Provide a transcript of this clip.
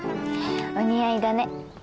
お似合いだね。